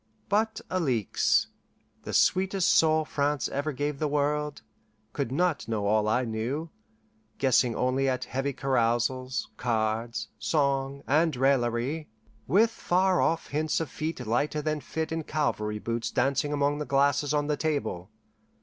But Alixe, the sweetest soul France ever gave the world, could not know all I knew; guessing only at heavy carousals, cards, song, and raillery, with far off hints of feet lighter than fit in cavalry boots dancing among the glasses on the table.